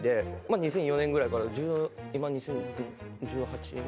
２００４年ぐらいから１０今２０００。